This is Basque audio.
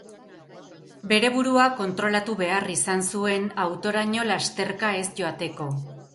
Bere burua kontrolatu behar izan zuen autoraino lasterka ez joateko.